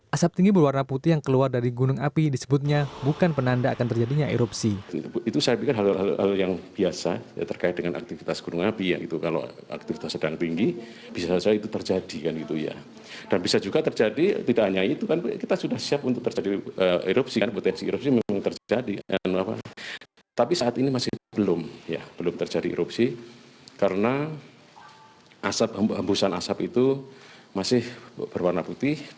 asap tinggi berwarna putih yang keluar dari gunung api disebutnya bukan penanda akan terjadinya erupsi